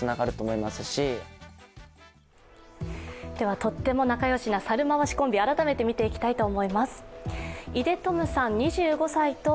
とっても仲良しな猿回しコンビ改めて見ていきたいと思います。